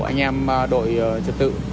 anh em đội trật tự